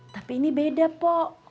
tapi ini beda po